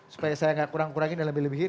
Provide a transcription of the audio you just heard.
supaya saya nggak kurang kurangin dan lebih lebihin